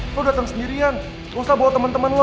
lo datang sendirian gak usah bawa temen temen lo